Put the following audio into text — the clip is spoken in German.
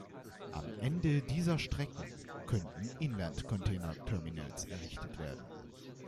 Am Ende dieser Strecken könnten Inland-Containerterminals errichtet werden.